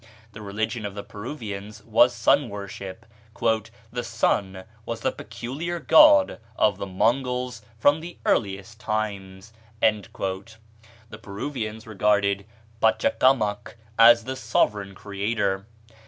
The religion of the Peruvians was sun worship; "the sun was the peculiar god of the Mongols from the earliest times." The Peruvians regarded Pachacamac as the sovereign creator.